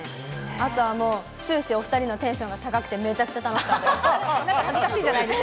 あとはもう、終始お２人のテンションが高くて、めちゃくちゃ楽しかったです。